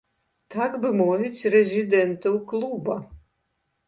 Так бы мовіць, рэзідэнтаў клуба.